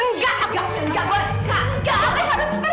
enggak enggak boleh kak enggak boleh aku harus pergi